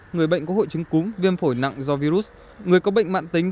người bệnh có hội chứng cúm viêm phổi nặng do virus người có bệnh mạng tính